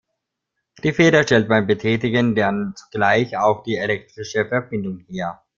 Die Feder stellt beim Betätigen dann zugleich auch die elektrische Verbindung her.